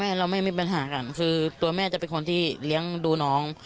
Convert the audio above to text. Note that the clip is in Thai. เราไม่มีปัญหากันคือตัวแม่จะเป็นคนที่เลี้ยงดูน้อง